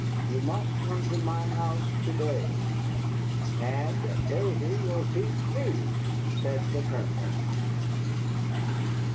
You must come to my house to day." "And Davy will teach me," said the Colonel.